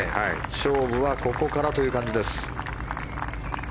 勝負はここからという感じです。